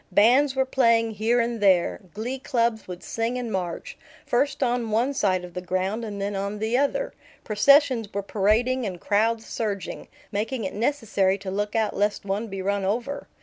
Bands were playing here and there; glee clubs would sing and march, first on one side of the ground and then on the other; processions were parading and crowds surging, making it necessary to look out lest one be run over.